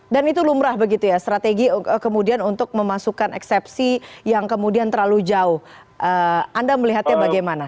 dan itu lumrah begitu ya strategi kemudian untuk memasukkan eksepsi yang kemudian terlalu jauh anda melihatnya bagaimana